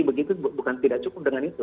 begitu bukan tidak cukup dengan itu